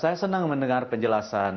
saya juga senang mendengarkan penjelasan ini